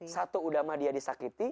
satu udah mah dia disakiti